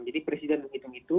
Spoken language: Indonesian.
jadi presiden menghitung itu